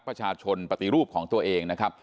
ปฏิรูปของตัวเองนะครับ